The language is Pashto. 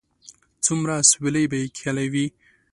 څومره اسويلي به یې کښلي وي